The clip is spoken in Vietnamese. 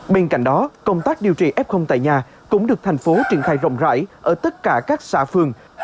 bên cạnh đó công tác điều trị f tại nhà cũng được thành phố triển khai rộng rãi ở tất cả các xã phường